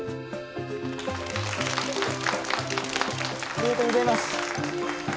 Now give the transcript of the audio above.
ありがとうございます！